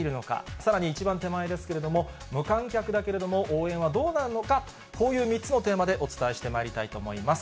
さらに一番手前ですけれども、無観客だけれども、応援はどうなるのか、こういう３つのテーマでお伝えしてまいりたいと思います。